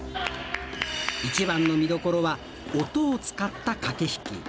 一番の見どころは音を使った駆け引き。